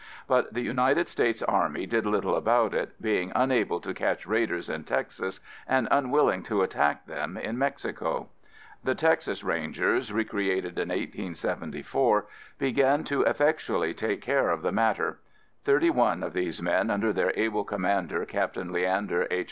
But the United States Army did little about it, being unable to catch raiders in Texas, and unwilling to attack them in Mexico. The Texas Rangers, recreated in 1874, began to effectually take care of the matter. Thirty one of these men, under their able commander Captain Leander H.